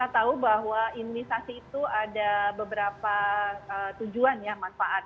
kita tahu bahwa imunisasi itu ada beberapa tujuan ya manfaat